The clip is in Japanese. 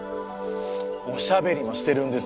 おしゃべりもしてるんです。